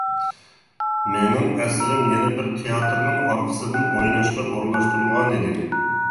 مېنىڭ ئەسىرىم يەنە بىر تىياتىرنىڭ ئارقىسىدىن ئويناشقا ئورۇنلاشتۇرۇلغان ئىدى.